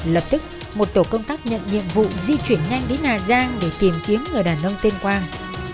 lập tức một tổ công tác nhận nhiệm vụ di chuyển nhanh đến hà giang để tìm kiếm người đàn ông tên quang